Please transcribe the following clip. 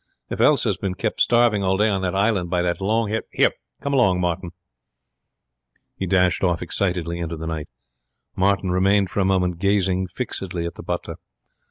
If Elsa has been kept starving all day on that island by that long haired Here, come along, Martin.' He dashed off excitedly into the night. Martin remained for a moment gazing fixedly at the butler.